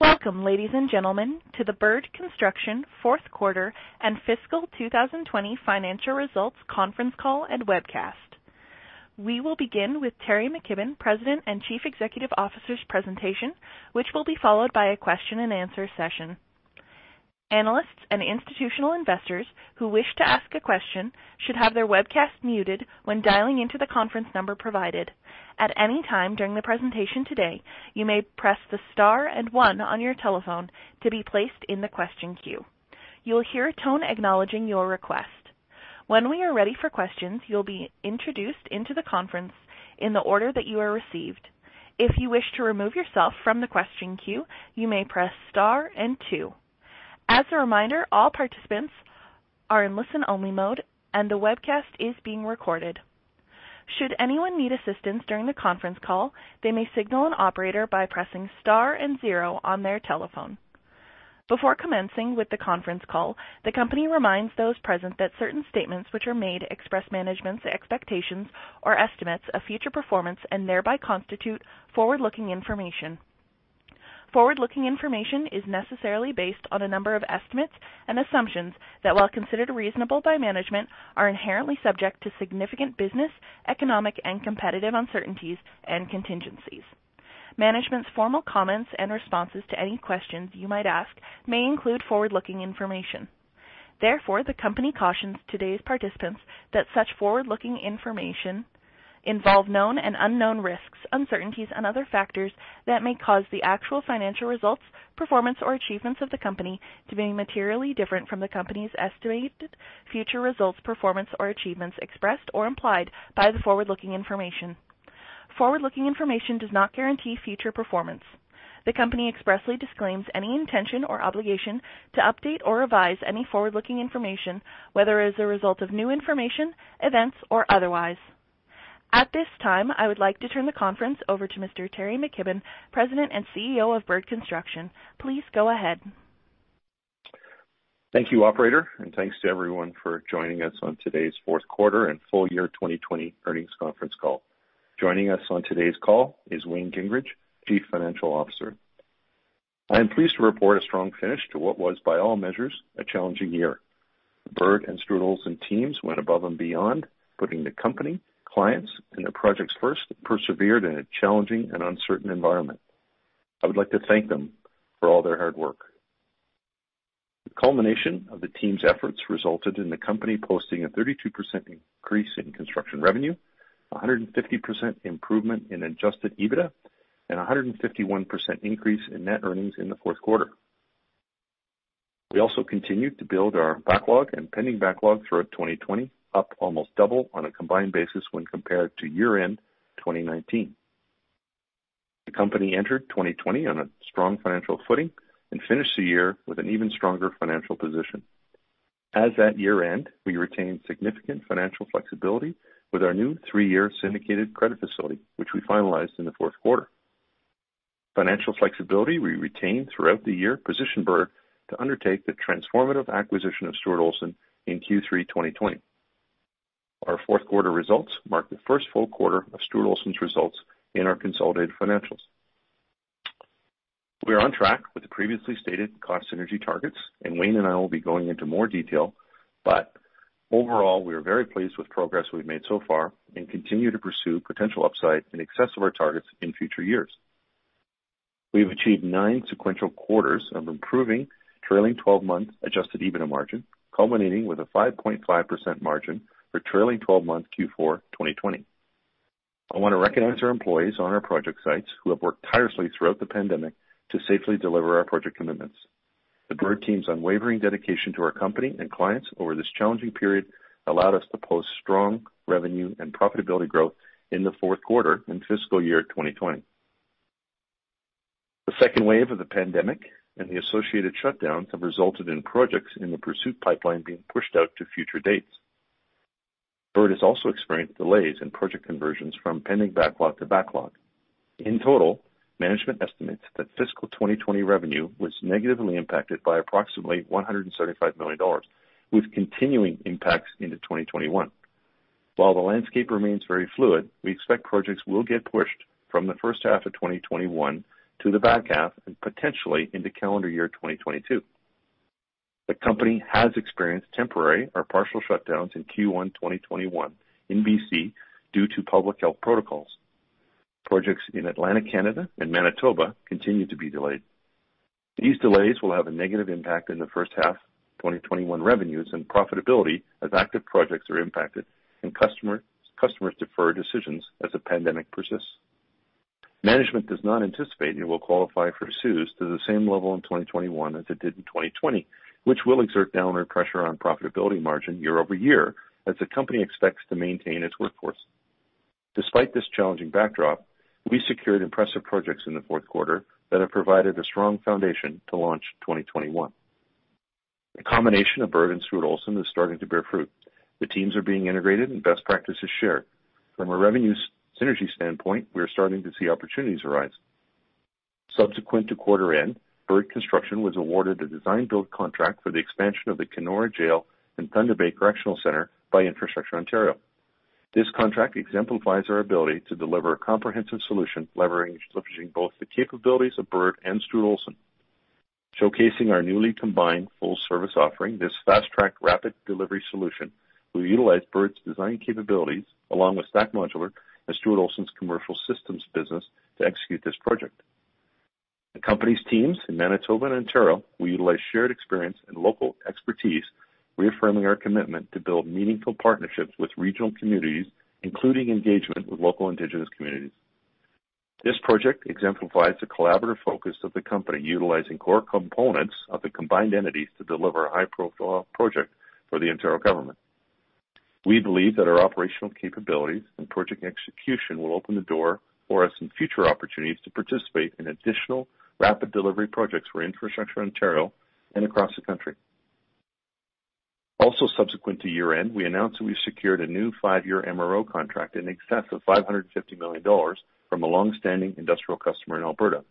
Welcome, ladies and gentlemen, to the Bird Construction fourth quarter and fiscal 2020 financial results conference call and webcast. We will begin with Teri McKibbon, President and Chief Executive Officer's presentation, which will be followed by a question and answer session. Analysts and institutional investors who wish to ask a question should have their webcast muted when dialing into the conference number provided. At any time during the presentation today, you may press the star and one on your telephone to be placed in the question queue. You'll hear a tone acknowledging your request. When we are ready for questions, you'll be introduced into the conference in the order that you are received. If you wish to remove yourself from the question queue, you may press star and two. As a reminder, all participants are in listen-only mode and the webcast is being recorded. Should anyone need assistance during the conference call, they may signal an operator by pressing star and zero on their telephone. Before commencing with the conference call, the company reminds those present that certain statements which are made express management's expectations or estimates of future performance and thereby constitute forward-looking information. Forward-looking information is necessarily based on a number of estimates and assumptions that, while considered reasonable by management, are inherently subject to significant business, economic, and competitive uncertainties and contingencies. Management's formal comments and responses to any questions you might ask may include forward-looking information. Therefore, the company cautions today's participants that such forward-looking information involve known and unknown risks, uncertainties, and other factors that may cause the actual financial results, performance, or achievements of the company to be materially different from the company's estimated future results, performance, or achievements expressed or implied by the forward-looking information. Forward-looking information does not guarantee future performance. The company expressly disclaims any intention or obligation to update or revise any forward-looking information, whether as a result of new information, events, or otherwise. At this time, I would like to turn the conference over to Mr. Teri McKibbon, President and CEO of Bird Construction. Please go ahead. Thank you, Operator. Thanks to everyone for joining us on today's fourth quarter and full year 2020 earnings conference call. Joining us on today's call is Wayne Gingrich, Chief Financial Officer. I am pleased to report a strong finish to what was, by all measures, a challenging year. Bird and Stuart Olson teams went above and beyond putting the company, clients, and the projects first, persevered in a challenging and uncertain environment. I would like to thank them for all their hard work. The culmination of the team's efforts resulted in the company posting a 32% increase in construction revenue, 150% improvement in adjusted EBITDA, and 151% increase in net earnings in the fourth quarter. We also continued to build our backlog and pending backlog throughout 2020, up almost double on a combined basis when compared to year-end 2019. The company entered 2020 on a strong financial footing and finished the year with an even stronger financial position. As at year-end, we retained significant financial flexibility with our new three-year syndicated credit facility, which we finalized in the fourth quarter. Financial flexibility we retained throughout the year positioned Bird to undertake the transformative acquisition of Stuart Olson in Q3 2020. Our fourth quarter results marked the first full quarter of Stuart Olson's results in our consolidated financials. We are on track with the previously stated cost synergy targets. Wayne and I will be going into more detail. Overall, we are very pleased with progress we've made so far and continue to pursue potential upside in excess of our targets in future years. We have achieved nine sequential quarters of improving trailing 12-month adjusted EBITDA margin, culminating with a 5.5% margin for trailing 12-month Q4 2020. I want to recognize our employees on our project sites who have worked tirelessly throughout the pandemic to safely deliver our project commitments. The Bird team's unwavering dedication to our company and clients over this challenging period allowed us to post strong revenue and profitability growth in the fourth quarter and fiscal year 2020. The second wave of the pandemic and the associated shutdowns have resulted in projects in the pursuit pipeline being pushed out to future dates. Bird has also experienced delays in project conversions from pending backlog to backlog. In total, management estimates that fiscal 2020 revenue was negatively impacted by approximately 135 million dollars, with continuing impacts into 2021. While the landscape remains very fluid, we expect projects will get pushed from the first half of 2021 to the back half and potentially into calendar year 2022. The company has experienced temporary or partial shutdowns in Q1 2021 in BC due to public health protocols. Projects in Atlantic Canada and Manitoba continue to be delayed. These delays will have a negative impact in the first half 2021 revenues and profitability as active projects are impacted and customers defer decisions as the pandemic persists. Management does not anticipate it will qualify for CEWS to the same level in 2021 as it did in 2020, which will exert downward pressure on profitability margin year-over-year as the company expects to maintain its workforce. Despite this challenging backdrop, we secured impressive projects in the fourth quarter that have provided a strong foundation to launch 2021. The combination of Bird and Stuart Olson is starting to bear fruit. The teams are being integrated and best practices shared. From a revenue synergy standpoint, we are starting to see opportunities arise. Subsequent to quarter end, Bird Construction was awarded a design-build contract for the expansion of the Kenora Jail and Thunder Bay Correctional Center by Infrastructure Ontario. This contract exemplifies our ability to deliver a comprehensive solution leveraging both the capabilities of Bird and Stuart Olson. Showcasing our newly combined full-service offering, this fast-track rapid delivery solution will utilize Bird's design capabilities along with Stack Modular and Stuart Olson's commercial systems business to execute this project. The company's teams in Manitoba and Ontario will utilize shared experience and local expertise, reaffirming our commitment to build meaningful partnerships with regional communities, including engagement with local Indigenous communities. This project exemplifies the collaborative focus of the company, utilizing core components of the combined entities to deliver a high-profile project for the Ontario government. We believe that our operational capabilities and project execution will open the door for us in future opportunities to participate in additional rapid delivery projects for Infrastructure Ontario and across the country. Subsequent to year-end, we announced that we secured a new five-year MRO contract in excess of 550 million dollars from a longstanding industrial customer in Alberta.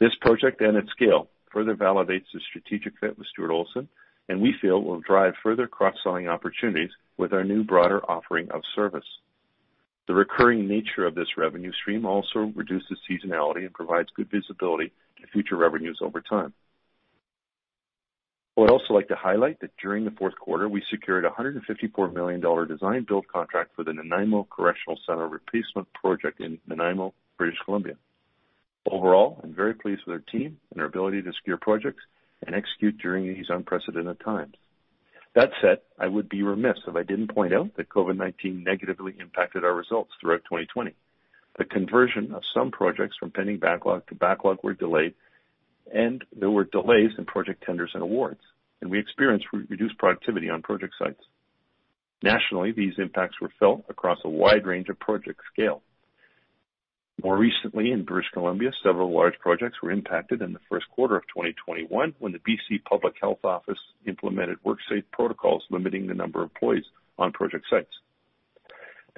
This project and its scale further validates the strategic fit with Stuart Olson, and we feel will drive further cross-selling opportunities with our new broader offering of service. The recurring nature of this revenue stream also reduces seasonality and provides good visibility to future revenues over time. I would also like to highlight that during the fourth quarter, we secured a 154 million dollar design-build contract for the Nanaimo Correctional Center replacement project in Nanaimo, British Columbia. Overall, I'm very pleased with our team and our ability to secure projects and execute during these unprecedented times. That said, I would be remiss if I didn't point out that COVID-19 negatively impacted our results throughout 2020. The conversion of some projects from pending backlog to backlog were delayed, and there were delays in project tenders and awards, and we experienced reduced productivity on project sites. Nationally, these impacts were felt across a wide range of project scale. More recently in British Columbia, several large projects were impacted in the first quarter of 2021 when the BC Provincial Health Officer implemented work site protocols limiting the number of employees on project sites.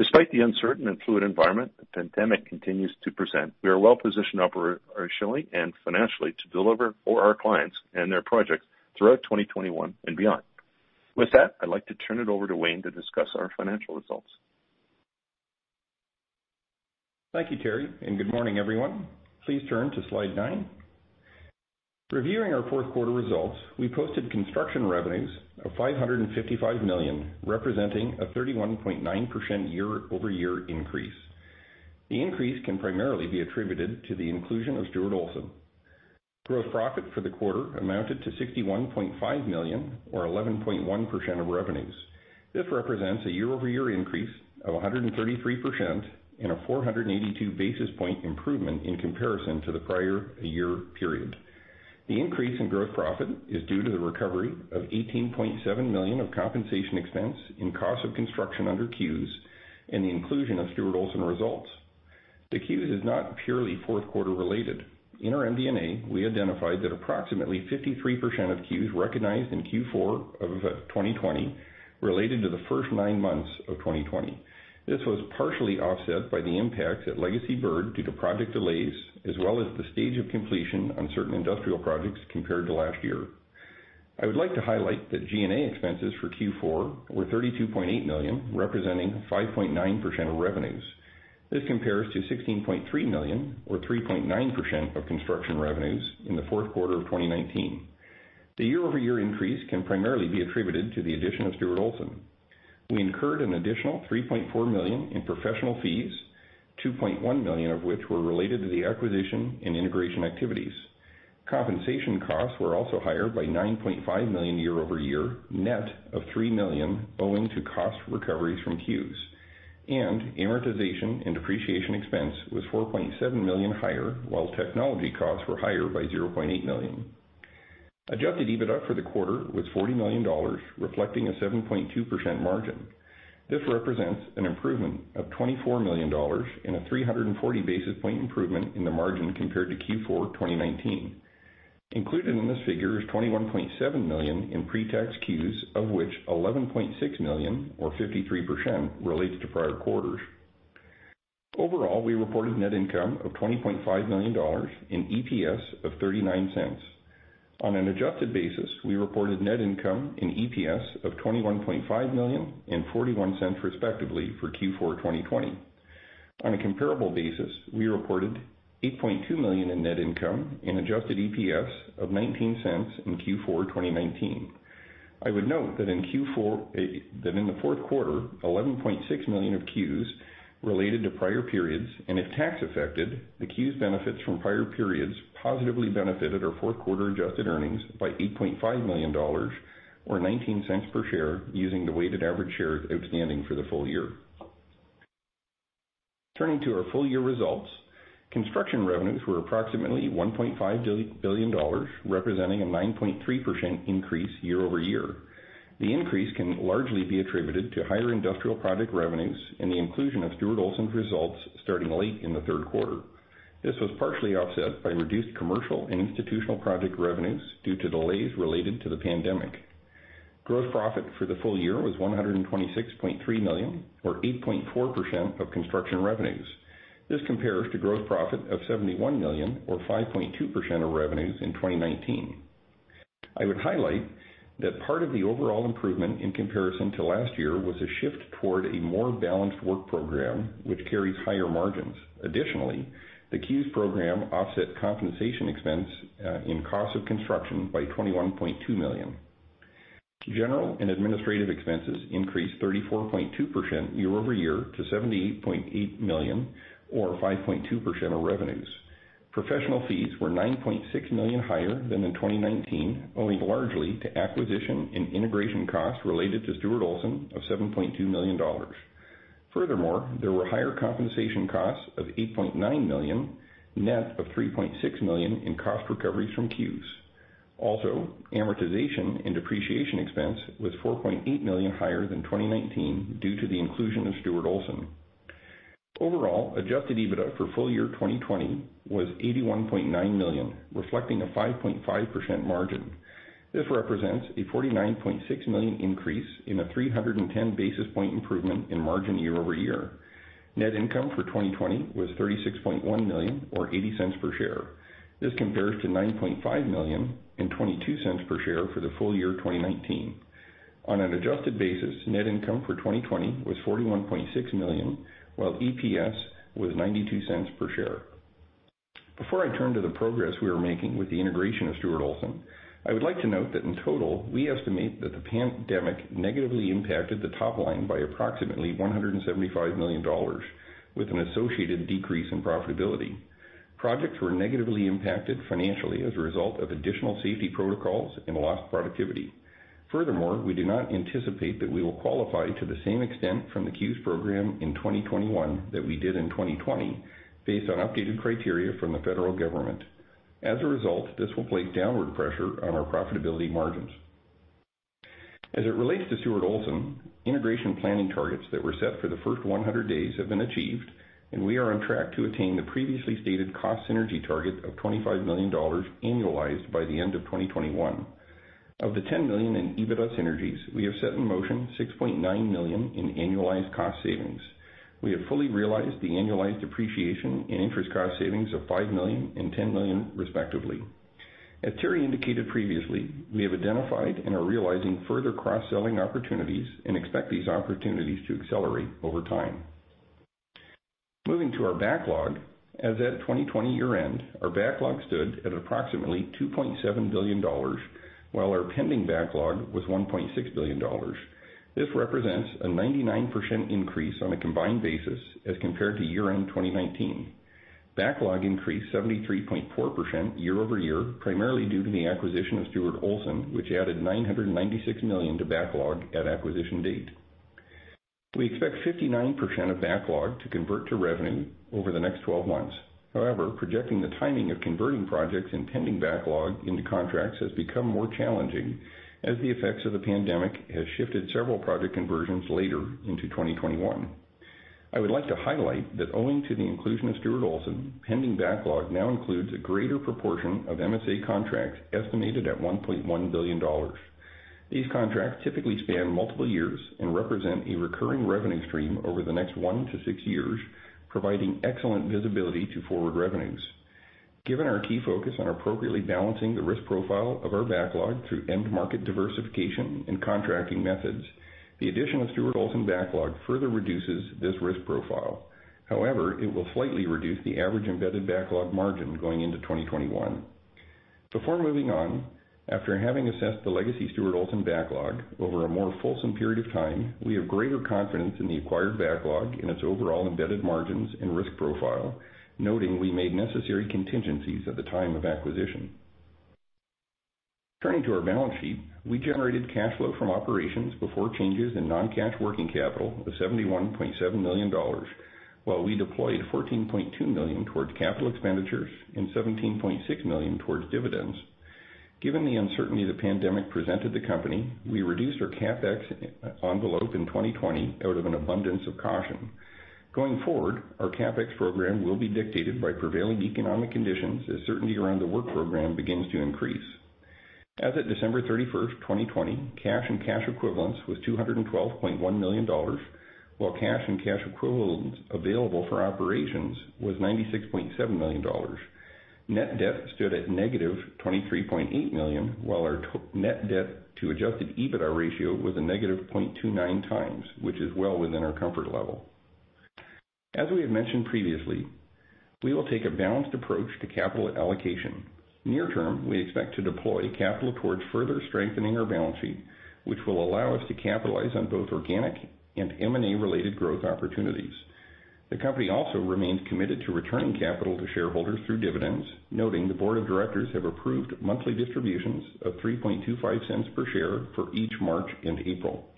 Despite the uncertain and fluid environment the pandemic continues to present, we are well-positioned operationally and financially to deliver for our clients and their projects throughout 2021 and beyond. With that, I'd like to turn it over to Wayne to discuss our financial results. Thank you, Teri, good morning, everyone. Please turn to slide nine. Reviewing our fourth quarter results, we posted construction revenues of 555 million, representing a 31.9% year-over-year increase. The increase can primarily be attributed to the inclusion of Stuart Olson. Gross profit for the quarter amounted to 61.5 million or 11.1% of revenues. This represents a year-over-year increase of 133% and a 482 basis points improvement in comparison to the prior year period. The increase in gross profit is due to the recovery of 18.7 million of compensation expense in cost of construction under CEWS and the inclusion of Stuart Olson results. The CEWS is not purely fourth quarter related. In our MD&A, we identified that approximately 53% of CEWS recognized in Q4 of 2020 related to the first nine months of 2020. This was partially offset by the impact at Legacy Bird due to project delays, as well as the stage of completion on certain industrial projects compared to last year. I would like to highlight that G&A expenses for Q4 were 32.8 million, representing 5.9% of revenues. This compares to 16.3 million or 3.9% of construction revenues in the fourth quarter of 2019. The year-over-year increase can primarily be attributed to the addition of Stuart Olson. We incurred an additional 3.4 million in professional fees, 2.1 million of which were related to the acquisition and integration activities. Compensation costs were also higher by 9.5 million year-over-year, net of 3 million owing to cost recoveries from CEWS. Amortization and depreciation expense was 4.7 million higher, while technology costs were higher by 0.8 million. Adjusted EBITDA for the quarter was 40 million dollars, reflecting a 7.2% margin. This represents an improvement of 24 million dollars and a 340 basis points improvement in the margin compared to Q4 2019. Included in this figure is 21.7 million in pre-tax CEWS, of which 11.6 million or 53% relates to prior quarters. Overall, we reported net income of 20.5 million dollars and EPS of 0.39. On an adjusted basis, we reported net income and EPS of 21.5 million and 0.41 respectively for Q4 2020. On a comparable basis, we reported 8.2 million in net income and adjusted EPS of 0.19 in Q4 2019. I would note that in the fourth quarter, 11.6 million of CEWS related to prior periods, and if tax affected, the CEWS benefits from prior periods positively benefited our fourth quarter adjusted earnings by 8.5 million dollars or 0.19 per share using the weighted average shares outstanding for the full year. Turning to our full year results, construction revenues were approximately 1.5 billion dollars, representing a 9.3% increase year-over-year. The increase can largely be attributed to higher industrial project revenues and the inclusion of Stuart Olson's results starting late in the third quarter. This was partially offset by reduced commercial and institutional project revenues due to delays related to the pandemic. Gross profit for the full year was 126.3 million or 8.4% of construction revenues. This compares to gross profit of 71 million or 5.2% of revenues in 2019. I would highlight that part of the overall improvement in comparison to last year was a shift toward a more balanced work program, which carries higher margins. Additionally, the CEWS program offset compensation expense in cost of construction by 21.2 million. General and Administrative Expenses increased 34.2% year-over-year to 78.8 million or 5.2% of revenues. Professional fees were 9.6 million higher than in 2019, owing largely to acquisition and integration costs related to Stuart Olson of 7.2 million dollars. There were higher compensation costs of 8.9 million, net of 3.6 million in cost recoveries from CEWS. Amortization and depreciation expense was 4.8 million higher than 2019 due to the inclusion of Stuart Olson. Adjusted EBITDA for full year 2020 was 81.9 million, reflecting a 5.5% margin. This represents a 49.6 million increase in a 310 basis points improvement in margin year-over-year. Net income for 2020 was 36.1 million or 0.80 per share. This compares to 9.5 million and 0.22 per share for the full year 2019. On an adjusted basis, net income for 2020 was 41.6 million, while EPS was 0.92 per share. Before I turn to the progress we are making with the integration of Stuart Olson, I would like to note that in total, we estimate that the pandemic negatively impacted the top line by approximately 175 million dollars with an associated decrease in profitability. Projects were negatively impacted financially as a result of additional safety protocols and lost productivity. We do not anticipate that we will qualify to the same extent from the CEWS program in 2021 that we did in 2020 based on updated criteria from the federal government. This will place downward pressure on our profitability margins. As it relates to Stuart Olson, integration planning targets that were set for the first 100 days have been achieved, and we are on track to attain the previously stated cost synergy target of 25 million dollars annualized by the end of 2021. Of the 10 million in EBITDA synergies, we have set in motion 6.9 million in annualized cost savings. We have fully realized the annualized depreciation and interest cost savings of 5 million and 10 million respectively. As Teri indicated previously, we have identified and are realizing further cross-selling opportunities and expect these opportunities to accelerate over time. Moving to our backlog, as at 2020 year end, our backlog stood at approximately 2.7 billion dollars, while our pending backlog was 1.6 billion dollars. This represents a 99% increase on a combined basis as compared to year end 2019. Backlog increased 73.4% year-over-year, primarily due to the acquisition of Stuart Olson, which added 996 million to backlog at acquisition date. We expect 59% of backlog to convert to revenue over the next 12 months. However, projecting the timing of converting projects and pending backlog into contracts has become more challenging as the effects of the pandemic has shifted several project conversions later into 2021. I would like to highlight that owing to the inclusion of Stuart Olson, pending backlog now includes a greater proportion of MSA contracts estimated at 1.1 billion dollars. These contracts typically span multiple years and represent a recurring revenue stream over the next one to six years, providing excellent visibility to forward revenues. Given our key focus on appropriately balancing the risk profile of our backlog through end market diversification and contracting methods, the addition of Stuart Olson backlog further reduces this risk profile. However, it will slightly reduce the average embedded backlog margin going into 2021. Before moving on, after having assessed the Legacy Stuart Olson backlog over a more fulsome period of time, we have greater confidence in the acquired backlog and its overall embedded margins and risk profile, noting we made necessary contingencies at the time of acquisition. Turning to our balance sheet, we generated cash flow from operations before changes in non-cash working capital of 71.7 million dollars, while we deployed 14.2 million towards capital expenditures and 17.6 million towards dividends. Given the uncertainty the pandemic presented the company, we reduced our CapEx envelope in 2020 out of an abundance of caution. Going forward, our CapEx program will be dictated by prevailing economic conditions as certainty around the work program begins to increase. As at December 31st, 2020, cash and cash equivalents was 212.1 million dollars, while cash and cash equivalents available for operations was 96.7 million dollars. Net debt stood at negative 23.8 million while our net debt to adjusted EBITDA ratio was a negative 0.29x, which is well within our comfort level. As we have mentioned previously, we will take a balanced approach to capital allocation. Near term, we expect to deploy capital towards further strengthening our balance sheet, which will allow us to capitalize on both organic and M&A related growth opportunities. The company also remains committed to returning capital to shareholders through dividends, noting the board of directors have approved monthly distributions of 0.0325 per share for each March and April.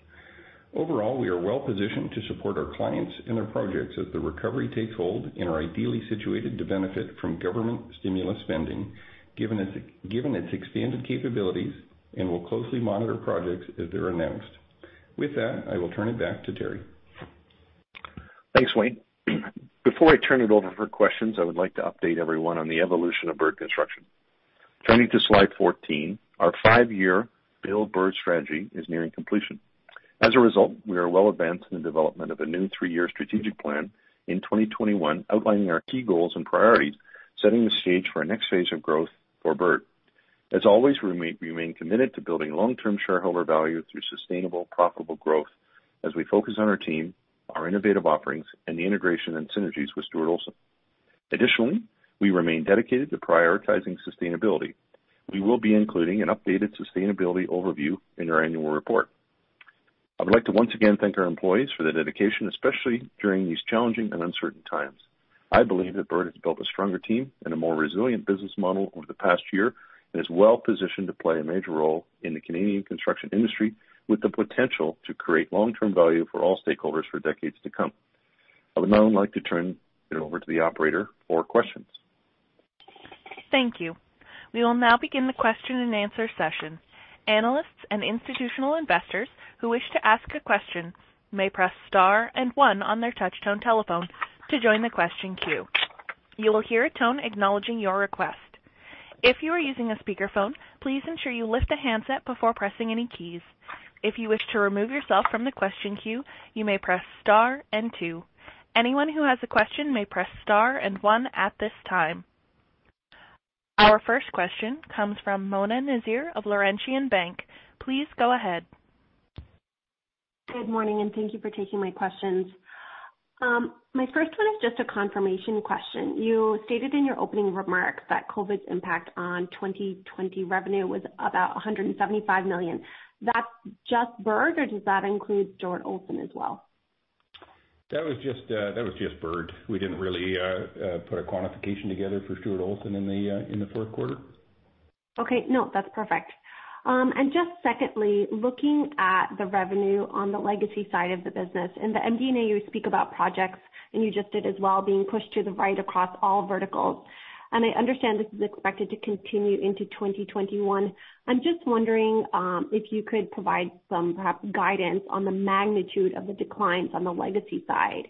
Overall, we are well positioned to support our clients and their projects as the recovery takes hold and are ideally situated to benefit from government stimulus spending given its expanded capabilities and will closely monitor projects as they're announced. With that, I will turn it back to Teri. Thanks, Wayne. Before I turn it over for questions, I would like to update everyone on the evolution of Bird Construction. Turning to slide 14, our five-year Build Bird strategy is nearing completion. As a result, we are well advanced in the development of a new three-year strategic plan in 2021, outlining our key goals and priorities, setting the stage for a next phase of growth for Bird. As always, we remain committed to building long-term shareholder value through sustainable, profitable growth as we focus on our team, our innovative offerings, and the integration and synergies with Stuart Olson. Additionally, we remain dedicated to prioritizing sustainability. We will be including an updated sustainability overview in our annual report. I would like to once again thank our employees for their dedication, especially during these challenging and uncertain times. I believe that Bird has built a stronger team and a more resilient business model over the past year, and is well-positioned to play a major role in the Canadian construction industry, with the potential to create long-term value for all stakeholders for decades to come. I would now like to turn it over to the operator for questions. Thank you. We will now begin the question and answer session. Analysts and institutional investors who wish to ask a question may press star and one on their touchtone telephone to join the question queue. You will hear a tone acknowledging your request. If you are using a speakerphone, please ensure you lift the handset before pressing any keys. If you wish to remove yourself from the question queue, you may press star and two. Anyone who has a question may press star and one at this time. Our first question comes from Mona Nazir of Laurentian Bank. Please go ahead. Good morning, and thank you for taking my questions. My first one is just a confirmation question. You stated in your opening remarks that COVID's impact on 2020 revenue was about 175 million. That's just Bird, or does that include Stuart Olson as well? That was just Bird. We didn't really put a quantification together for Stuart Olson in the fourth quarter. Okay. No, that's perfect. Just secondly, looking at the revenue on the legacy side of the business. In the MD&A, you speak about projects, and you just did as well, being pushed to the right across all verticals. I understand this is expected to continue into 2021. I'm just wondering if you could provide some perhaps guidance on the magnitude of the declines on the legacy side.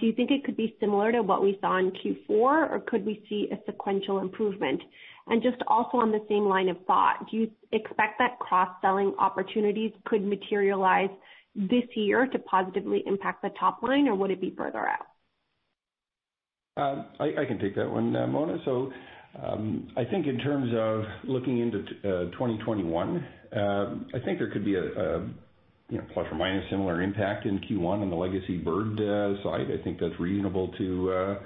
Do you think it could be similar to what we saw in Q4, or could we see a sequential improvement? Just also on the same line of thought, do you expect that cross-selling opportunities could materialize this year to positively impact the top line, or would it be further out? I can take that one, Mona. I think in terms of looking into 2021, I think there could be a plus or minus similar impact in Q1 on the Legacy Bird side. I think that's reasonable to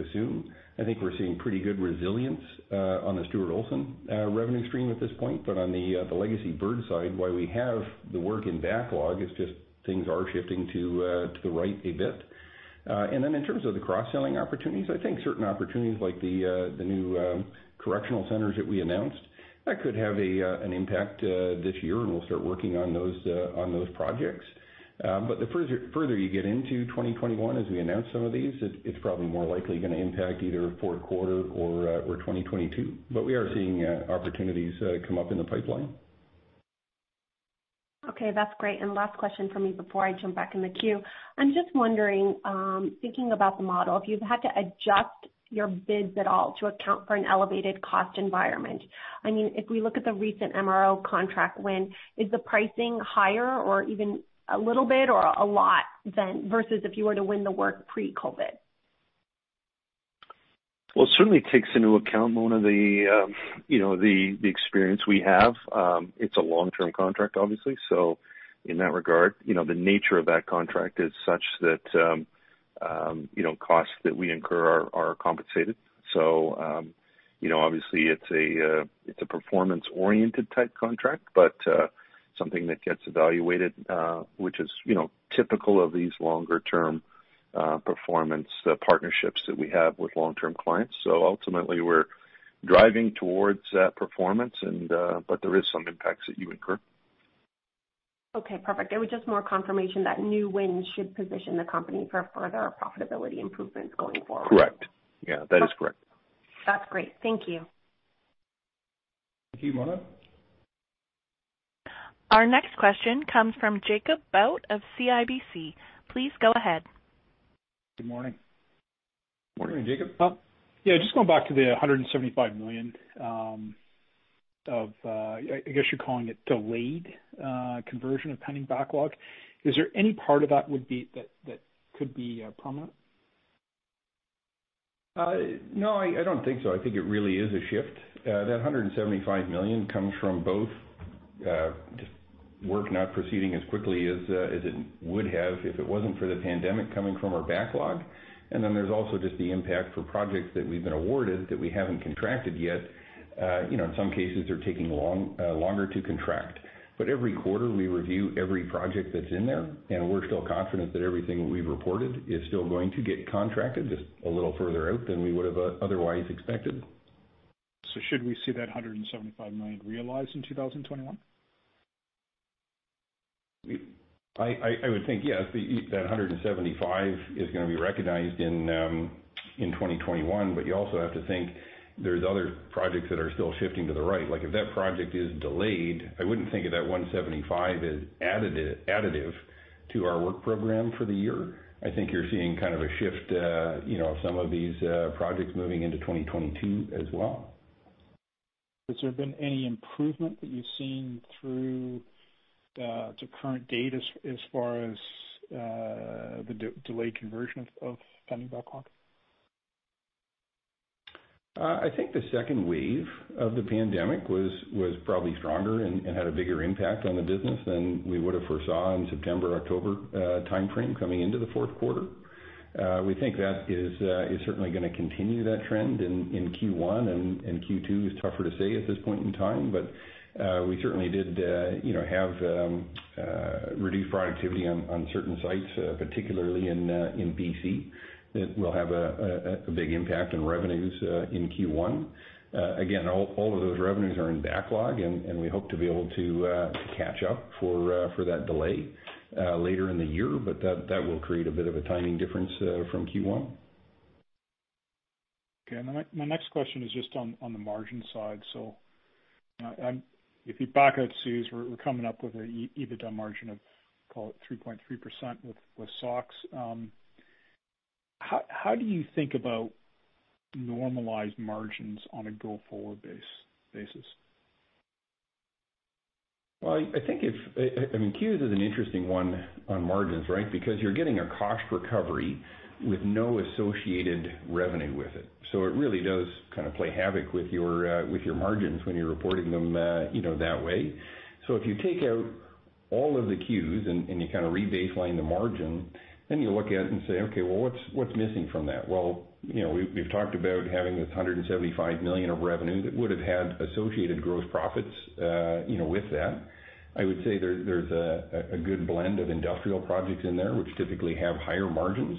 assume. I think we're seeing pretty good resilience on the Stuart Olson revenue stream at this point. On the Legacy Bird side, while we have the work in backlog, it's just things are shifting to the right a bit. In terms of the cross-selling opportunities, I think certain opportunities like the new correctional centers that we announced, that could have an impact this year, and we'll start working on those projects. The further you get into 2021, as we announce some of these, it's probably more likely gonna impact either fourth quarter or 2022. We are seeing opportunities come up in the pipeline. Okay, that's great. Last question from me before I jump back in the queue. I'm just wondering, thinking about the model, if you've had to adjust your bids at all to account for an elevated cost environment. If we look at the recent MRO contract win, is the pricing higher or even a little bit or a lot versus if you were to win the work pre-COVID? Well, it certainly takes into account, Mona, the experience we have. It's a long-term contract, obviously. In that regard, the nature of that contract is such that costs that we incur are compensated. Obviously it's a performance-oriented type contract, but something that gets evaluated, which is typical of these longer-term performance partnerships that we have with long-term clients. Ultimately we're driving towards that performance, but there is some impacts that you incur. Okay, perfect. It was just more confirmation that new wins should position the company for further profitability improvements going forward. Correct. Yeah, that is correct. That's great. Thank you. Thank you, Mona. Our next question comes from Jacob Bout of CIBC. Please go ahead. Good morning. Morning, Jacob. Yeah, just going back to the 175 million of, I guess you're calling it delayed conversion of pending backlog. Is there any part of that that could be permanent? No, I don't think so. I think it really is a shift. That 175 million comes from both just work not proceeding as quickly as it would have if it wasn't for the pandemic coming from our backlog, and then there's also just the impact for projects that we've been awarded that we haven't contracted yet. In some cases, they're taking longer to contract. Every quarter, we review every project that's in there, and we're still confident that everything we've reported is still going to get contracted, just a little further out than we would have otherwise expected. Should we see that 175 million realized in 2021? I would think yes, that 175 is gonna be recognized in 2021, but you also have to think there's other projects that are still shifting to the right. Like if that project is delayed, I wouldn't think of that 175 as additive to our work program for the year. I think you're seeing kind of a shift of some of these projects moving into 2022 as well. Has there been any improvement that you've seen through to current date as far as the delayed conversion of pending backlog? I think the second wave of the pandemic was probably stronger and had a bigger impact on the business than we would have foresaw in September, October timeframe coming into the fourth quarter. We think that is certainly going to continue that trend in Q1, and Q2 is tougher to say at this point in time. We certainly did have reduced productivity on certain sites, particularly in BC, that will have a big impact on revenues in Q1. Again, all of those revenues are in backlog, and we hope to be able to catch up for that delay later in the year. That will create a bit of a timing difference from Q1. My next question is on the margin side. If you back out CEWS, we're coming up with an EBITDA margin of, call it 3.3% with Stuart Olson. How do you think about normalized margins on a go-forward basis? I think CEWS is an interesting one on margins, right. Because you're getting a cost recovery with no associated revenue with it. It really does kind of play havoc with your margins when you're reporting them that way. If you take out all of the CEWS and you kind of re-baseline the margin, then you look at it and say, "Okay, well, what's missing from that?" We've talked about having this 175 million of revenue that would have had associated gross profits with that. I would say there's a good blend of industrial projects in there, which typically have higher margins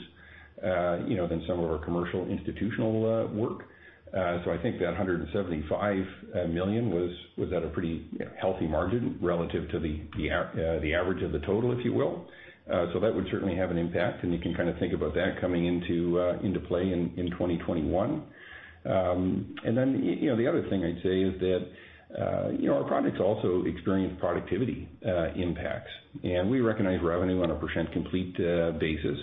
than some of our commercial institutional work. I think that 175 million was at a pretty healthy margin relative to the average of the total, if you will. That would certainly have an impact, and you can kind of think about that coming into play in 2021. Then, the other thing I'd say is that our projects also experience productivity impacts, and we recognize revenue on a percent complete basis.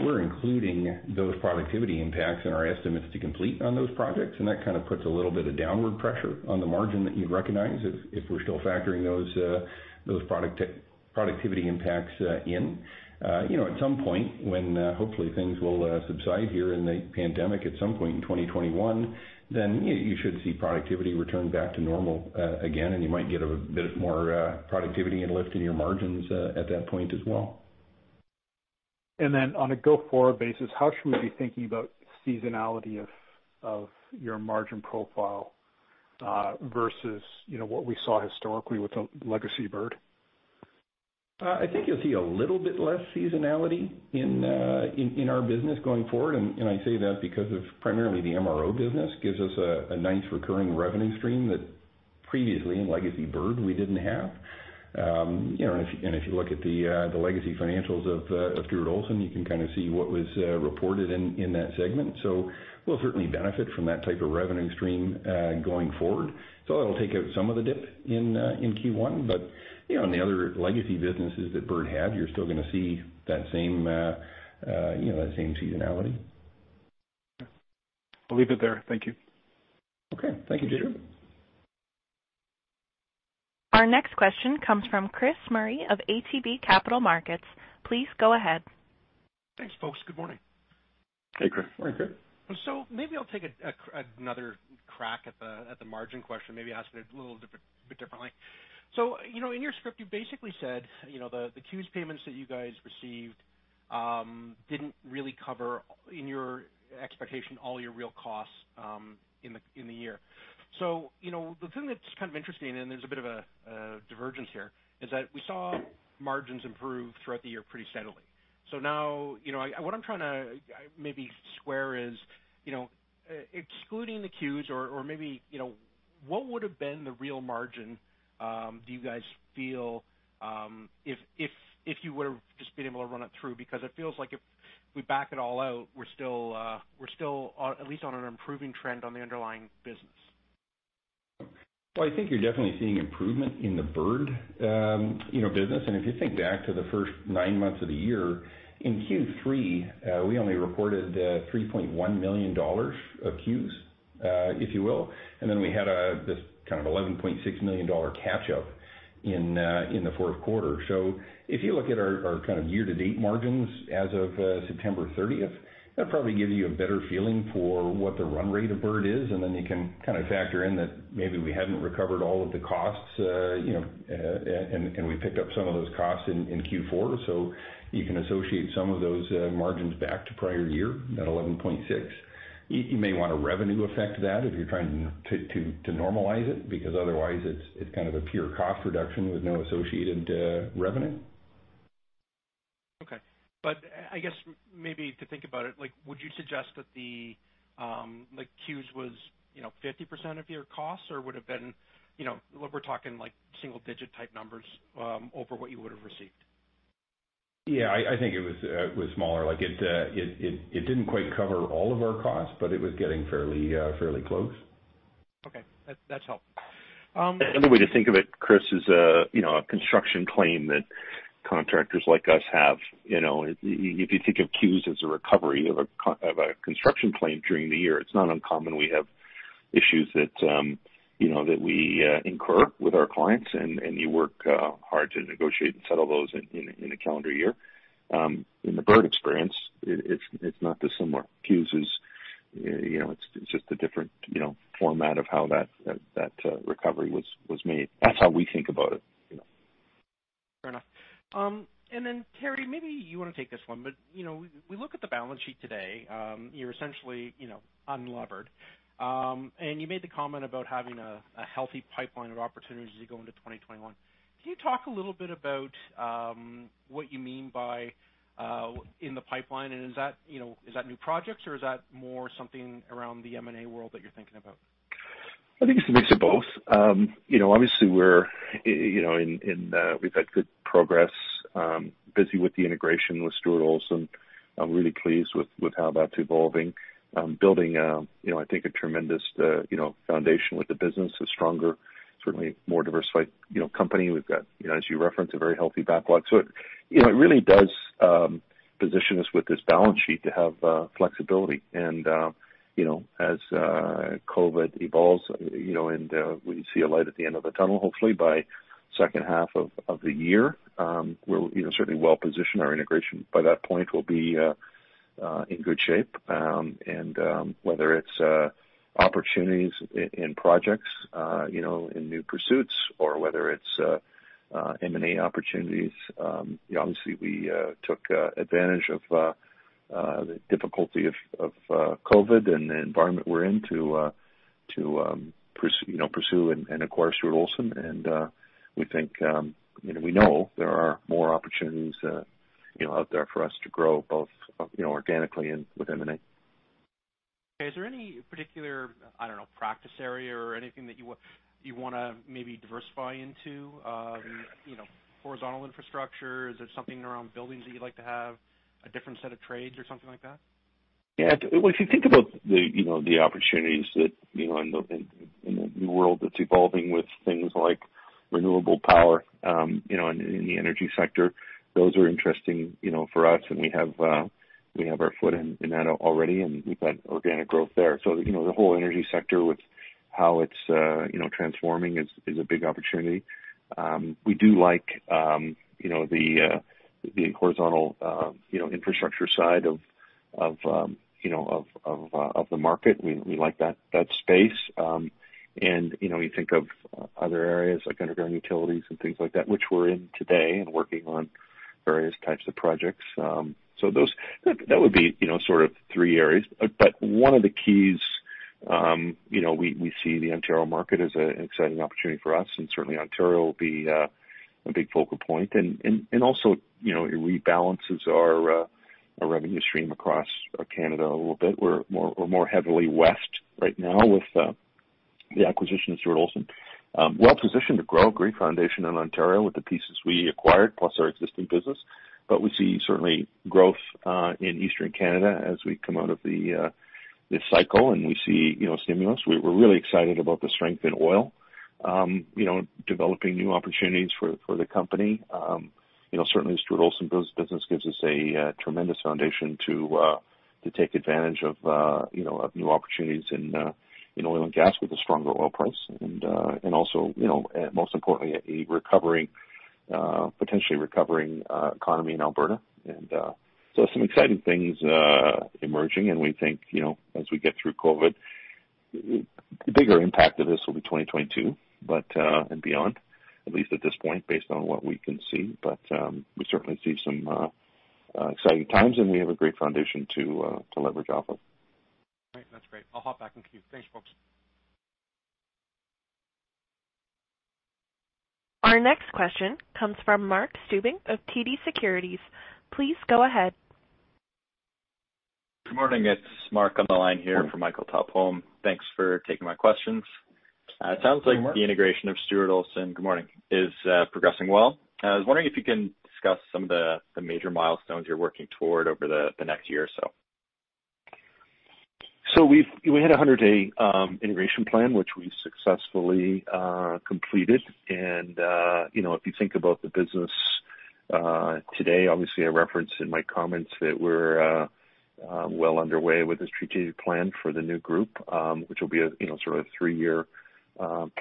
We're including those productivity impacts in our estimates to complete on those projects, and that kind of puts a little bit of downward pressure on the margin that you'd recognize if we're still factoring those productivity impacts in. At some point when, hopefully, things will subside here in the pandemic at some point in 2021, then you should see productivity return back to normal again, and you might get a bit more productivity and lift in your margins at that point as well. On a go-forward basis, how should we be thinking about seasonality of your margin profile versus what we saw historically with the Legacy Bird? I think you'll see a little bit less seasonality in our business going forward. I say that because of primarily the MRO business gives us a nice recurring revenue stream that previously in Legacy Bird, we didn't have. If you look at the legacy financials of Stuart Olson, you can kind of see what was reported in that segment. We'll certainly benefit from that type of revenue stream going forward. That'll take out some of the dip in Q1. In the other legacy businesses that Bird had, you're still going to see that same seasonality. I'll leave it there. Thank you. Okay. Thank you, Jacob. Our next question comes from Chris Murray of ATB Capital Markets. Please go ahead. Thanks, folks. Good morning. Hey, Chris. Morning, Chris. Maybe I'll take another crack at the margin question, maybe ask it a little bit differently. In your script, you basically said the CEWS payments that you guys received didn't really cover, in your expectation, all your real costs in the year. The thing that's kind of interesting, and there's a bit of a divergence here, is that we saw margins improve throughout the year pretty steadily. Now, what I'm trying to maybe square is, excluding the CEWS or maybe what would have been the real margin, do you guys feel if you would've just been able to run it through? It feels like if we back it all out, we're still at least on an improving trend on the underlying business. I think you're definitely seeing improvement in the Bird business. If you think back to the first nine months of the year, in Q3, we only reported 3.1 million dollars of queues, if you will, then we had this kind of 11.6 million dollar catch up in the fourth quarter. If you look at our kind of year-to-date margins as of September 30th, that'd probably give you a better feeling for what the run rate of Bird is, then you can kind of factor in that maybe we hadn't recovered all of the costs, and we picked up some of those costs in Q4. You can associate some of those margins back to prior year, that 11.6. You may want to revenue affect that if you're trying to normalize it because otherwise it's kind of a pure cost reduction with no associated revenue. Okay. I guess maybe to think about it, would you suggest that the CEWS was 50% of your cost? Or would have been, we're talking single-digit type numbers over what you would have received? Yeah, I think it was smaller. It didn't quite cover all of our costs, but it was getting fairly close. Okay. That's helpful. Another way to think of it, Chris, is a construction claim that contractors like us have. If you think of CEWS as a recovery of a construction claim during the year, it's not uncommon. We have issues that we incur with our clients, and you work hard to negotiate and settle those in a calendar year. In the Bird experience, it's not dissimilar. CEWS is just a different format of how that recovery was made. That's how we think about it. Fair enough. Teri, maybe you want to take this one, but we look at the balance sheet today. You're essentially unlevered. You made the comment about having a healthy pipeline of opportunities as you go into 2021. Can you talk a little bit about what you mean by in the pipeline, and is that new projects or is that more something around the M&A world that you're thinking about? I think it's a mix of both. Obviously, we've had good progress. Busy with the integration with Stuart Olson. I'm really pleased with how that's evolving. Building, I think, a tremendous foundation with the business, a stronger, certainly more diversified company. We've got, as you referenced, a very healthy backlog. It really does position us with this balance sheet to have flexibility. As COVID evolves, and we see a light at the end of the tunnel, hopefully by second half of the year, we're certainly well positioned. Our integration by that point will be in good shape. Whether it's opportunities in projects in new pursuits or whether it's M&A opportunities, obviously we took advantage of the difficulty of COVID and the environment we're in to pursue and acquire Stuart Olson, and we know there are more opportunities out there for us to grow, both organically and with M&A. Is there any particular, I don't know, practice area or anything that you want to maybe diversify into? Horizontal infrastructure? Is there something around buildings that you'd like to have a different set of trades or something like that? Yeah. If you think about the opportunities in the new world that's evolving with things like renewable power in the energy sector, those are interesting for us, and we have our foot in that already, and we've got organic growth there. The whole energy sector with how it's transforming is a big opportunity. We do like the horizontal infrastructure side of the market. We like that space. You think of other areas like underground utilities and things like that, which we're in today and working on various types of projects. Those would be sort of three areas. One of the keys, we see the Ontario market as an exciting opportunity for us, and certainly Ontario will be a big focal point. Also, it rebalances our revenue stream across Canada a little bit. We're more heavily west right now with the acquisition of Stuart Olson. Well positioned to grow. Great foundation in Ontario with the pieces we acquired plus our existing business. We see certainly growth in Eastern Canada as we come out of this cycle, and we see stimulus. We're really excited about the strength in oil, developing new opportunities for the company. Certainly, the Stuart Olson business gives us a tremendous foundation to take advantage of new opportunities in oil and gas with a stronger oil price. Also, most importantly, a potentially recovering economy in Alberta. Some exciting things emerging, and we think as we get through COVID, the bigger impact of this will be 2022 and beyond, at least at this point, based on what we can see. We certainly see some exciting times, and we have a great foundation to leverage off of. Great. That's great. I'll hop back in queue. Thanks, folks. Our next question comes from Mark Stuebing of TD Securities. Please go ahead. Good morning. It's Mark on the line here from Michael Tupholme. Thanks for taking my questions. Good morning, Mark. It sounds like the integration of Stuart Olson, good morning, is progressing well. I was wondering if you can discuss some of the major milestones you're working toward over the next year or so. We had a 100-day integration plan, which we successfully completed. If you think about the business today, obviously, I referenced in my comments that we're well underway with the strategic plan for the new group which will be a sort of three-year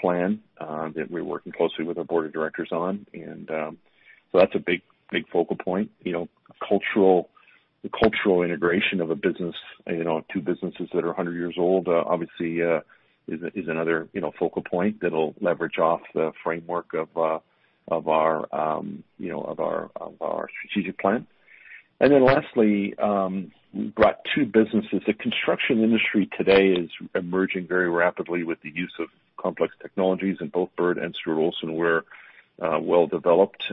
plan that we're working closely with our board of directors on. That's a big focal point. The cultural integration of a business, two businesses that are 100 years old, obviously, is another focal point that'll leverage off the framework of our strategic plan. Lastly, we brought two businesses. The construction industry today is emerging very rapidly with the use of complex technologies, and both Bird and Stuart Olson were well developed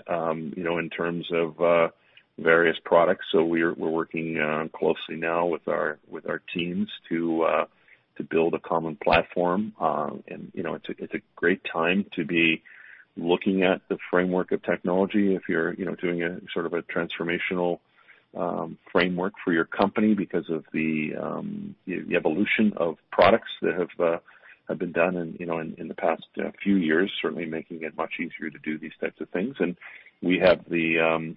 in terms of various products. We're working closely now with our teams to build a common platform. It's a great time to be looking at the framework of technology, if you're doing a sort of a transformational framework for your company because of the evolution of products that have been done in the past few years, certainly making it much easier to do these types of things. We have the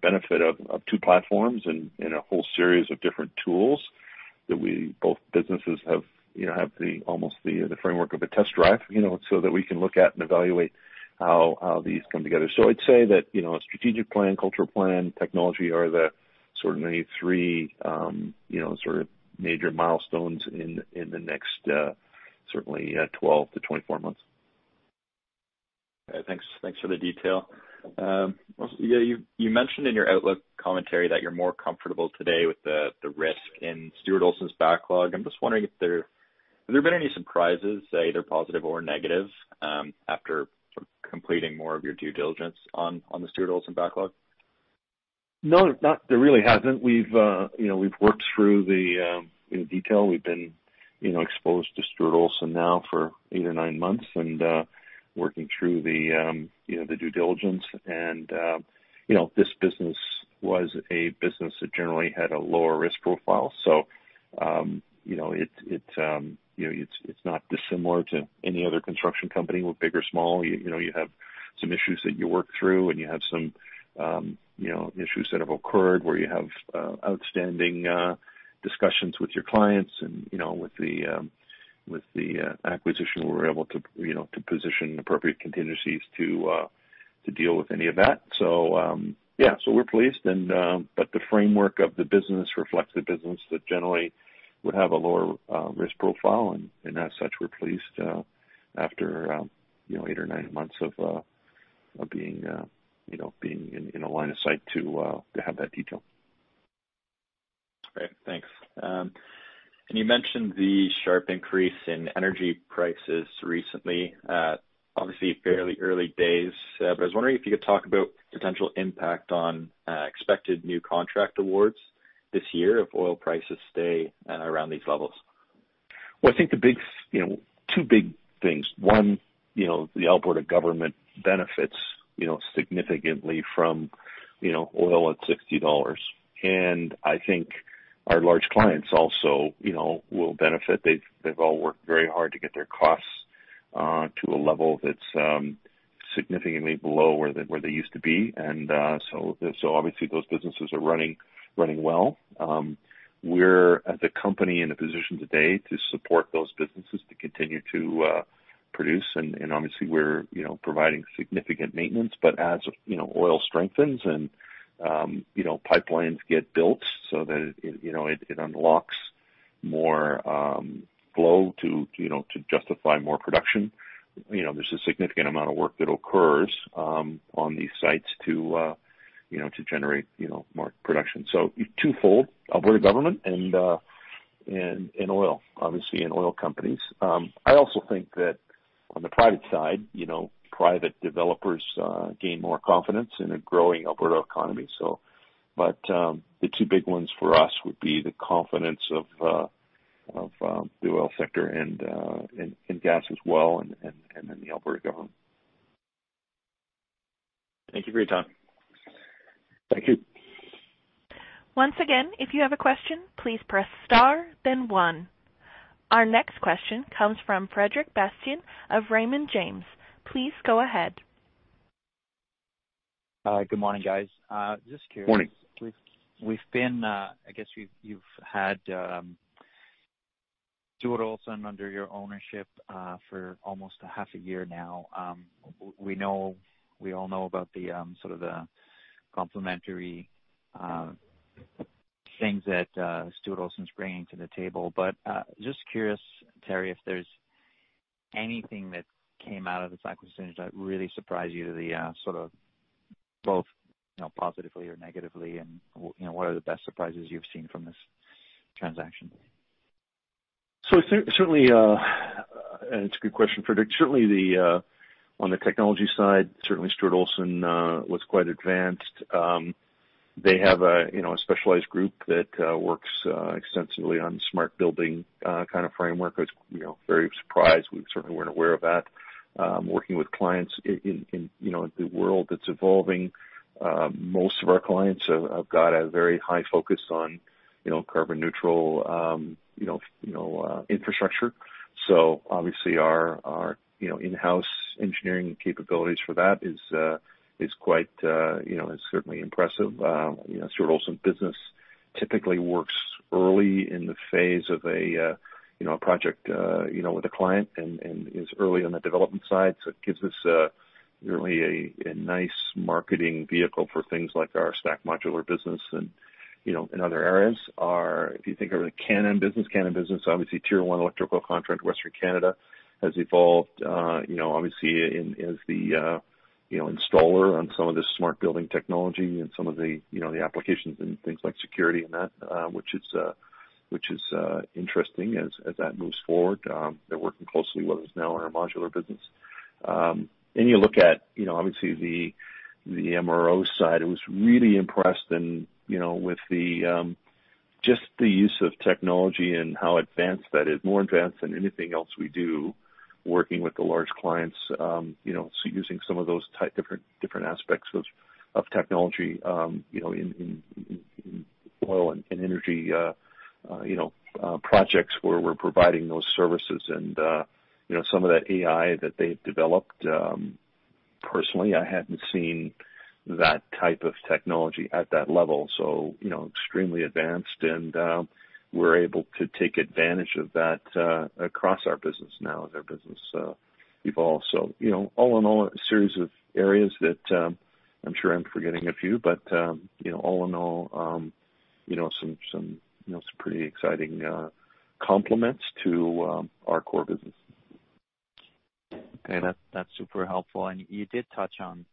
benefit of two platforms and a whole series of different tools that both businesses have almost the framework of a test drive so that we can look at and evaluate how these come together. I'd say that a strategic plan, cultural plan, technology are the sort of the three major milestones in the next certainly 12 to 24 months. Thanks for the detail. You mentioned in your outlook commentary that you're more comfortable today with the risk in Stuart Olson's backlog. I'm just wondering, have there been any surprises, either positive or negative, after completing more of your due diligence on the Stuart Olson backlog? No, there really hasn't. We've worked through the detail. We've been exposed to Stuart Olson now for eight or nine months and working through the due diligence and this business was a business that generally had a lower risk profile. It's not dissimilar to any other construction company with big or small. You have some issues that you work through, and you have some issues that have occurred where you have outstanding discussions with your clients and, with the acquisition, we're able to position appropriate contingencies to deal with any of that. We're pleased, but the framework of the business reflects a business that generally would have a lower risk profile. As such, we're pleased after eight or nine months of being in a line of sight to have that detail. Great. Thanks. You mentioned the sharp increase in energy prices recently. Obviously fairly early days, but I was wondering if you could talk about potential impact on expected new contract awards this year if oil prices stay around these levels? Well, I think two big things. One, the Alberta government benefits significantly from oil at 60 dollars. I think our large clients also will benefit. They've all worked very hard to get their costs to a level that's significantly below where they used to be. Obviously those businesses are running well. We're, as a company, in a position today to support those businesses to continue to produce. Obviously we're providing significant maintenance, but as oil strengthens and pipelines get built so that it unlocks more flow to justify more production. There's a significant amount of work that occurs on these sites to generate more production. Twofold, Alberta government and oil, obviously, and oil companies. I also think that on the private side, private developers gain more confidence in a growing Alberta economy. The two big ones for us would be the confidence of the oil sector and gas as well, and then the Alberta government. Thank you for your time. Thank you. Once again, if you have a question, please press star, then one. Our next question comes from Frederic Bastien of Raymond James. Please go ahead. Good morning, guys. Morning. Just curious. I guess you've had Stuart Olson under your ownership for almost a half a year now. We all know about the sort of the complementary things that Stuart Olson's bringing to the table, but just curious, Teri, if there's anything that came out of this acquisition that really surprised you to the sort of both positively or negatively, and what are the best surprises you've seen from this transaction? It's a good question, Frederic. On the technology side, certainly Stuart Olson was quite advanced. They have a specialized group that works extensively on smart building kind of framework. I was very surprised. We certainly weren't aware of that. Working with clients in the world that's evolving, most of our clients have got a very high focus on carbon neutral infrastructure. Obviously our in-house engineering capabilities for that is certainly impressive. Stuart Olson business typically works early in the phase of a project with a client and is early on the development side. It gives us really a nice marketing vehicle for things like our Stack Modular business and other areas are, if you think of the Canem Systems business. Canem Systems business, obviously Tier 1 electrical contract, Western Canada, has evolved as the installer on some of the smart building technology and some of the applications and things like security, which is interesting as that moves forward. They're working closely with us now in our modular business. You look at the MRO side. I was really impressed with the just the use of technology and how advanced that is, more advanced than anything else we do, working with the large clients, so using some of those different aspects of technology, in oil and energy projects where we're providing those services and some of that AI that they've developed. Personally, I hadn't seen that type of technology at that level. Extremely advanced, and we're able to take advantage of that across our business now as our business evolves. All in all, a series of areas that I'm sure I'm forgetting a few, but all in all, some pretty exciting compliments to our core business. Okay. That's super helpful. You did touch on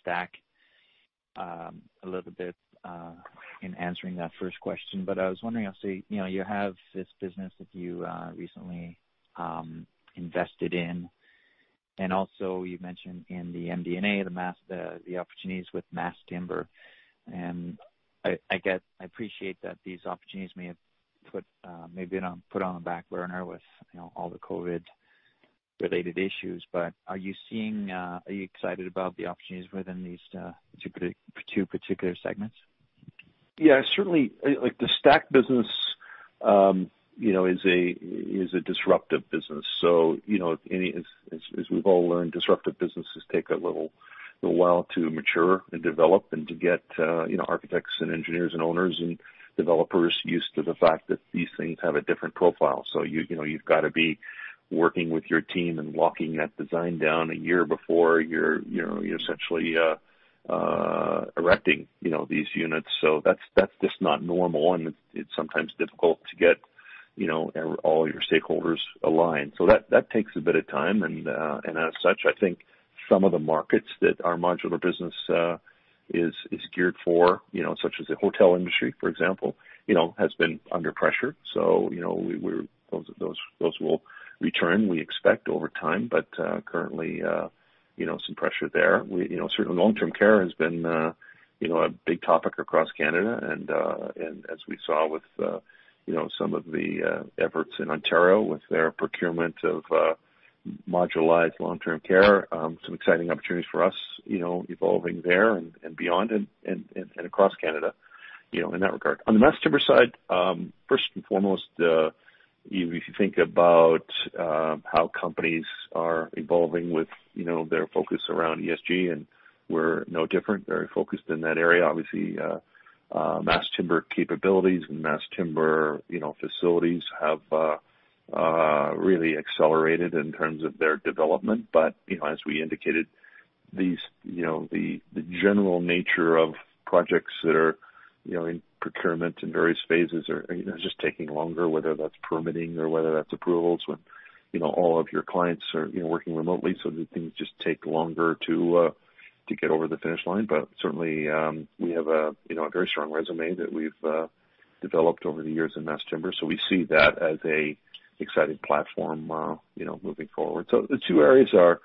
Stack a little bit in answering that first question, but I was wondering, obviously, you have this business that you recently invested in, and also you mentioned in the MD&A, the opportunities with mass timber. I appreciate that these opportunities may have been put on the back burner with all the COVID related issues, but are you excited about the opportunities within these two particular segments? Yeah, certainly. The Stack business is a disruptive business. As we've all learned, disruptive businesses take a little while to mature and develop and to get architects and engineers and owners and developers used to the fact that these things have a different profile. You've got to be working with your team and walking that design down a year before you're essentially erecting these units. That's just not normal, and it's sometimes difficult to get all your stakeholders aligned. That takes a bit of time, and as such, I think some of the markets that our modular business is geared for, such as the hotel industry, for example, has been under pressure. Those will return, we expect, over time. Currently, some pressure there. Certainly long-term care has been a big topic across Canada and as we saw with some of the efforts in Ontario with their procurement of modularized long-term care, some exciting opportunities for us evolving there and beyond and across Canada in that regard. On the mass timber side, first and foremost, if you think about how companies are evolving with their focus around ESG, and we're no different, very focused in that area. Obviously, mass timber capabilities and mass timber facilities have really accelerated in terms of their development. As we indicated, the general nature of projects that are in procurement in various phases are just taking longer, whether that's permitting or whether that's approvals, when all of your clients are working remotely so that things just take longer to get over the finish line. Certainly, we have a very strong resume that we've developed over the years in mass timber, so we see that as a exciting platform moving forward. The two areas are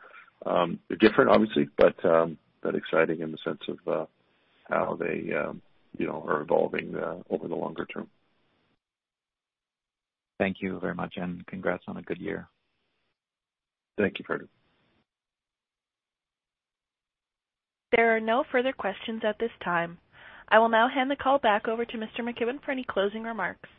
different, obviously, but exciting in the sense of how they are evolving over the longer term. Thank you very much, and congrats on a good year. Thank you, Frederic. There are no further questions at this time. I will now hand the call back over to Mr. McKibbon for any closing remarks.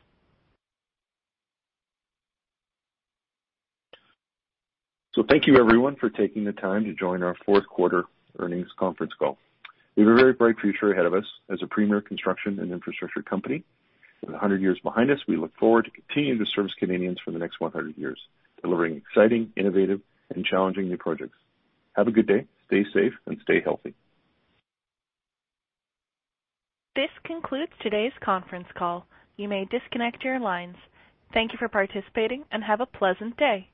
Thank you everyone for taking the time to join our fourth quarter earnings conference call. We have a very bright future ahead of us as a premier construction and infrastructure company. With 100 years behind us, we look forward to continuing to service Canadians for the next 100 years, delivering exciting, innovative, and challenging new projects. Have a good day. Stay safe and stay healthy. This concludes today's conference call. You may disconnect your lines. Thank you for participating and have a pleasant day.